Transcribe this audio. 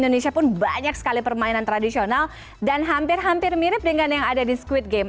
indonesia pun banyak sekali permainan tradisional dan hampir hampir mirip dengan yang ada di squid game